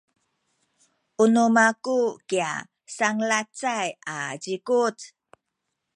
u nu maku kya sanglacay a zikuc.